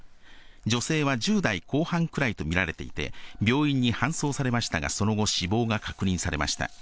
女性は１０代後半くらいと見られていて、病院に搬送されましたが、その後、死亡が確認されました。